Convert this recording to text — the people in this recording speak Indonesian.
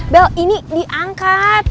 bel ini diangkat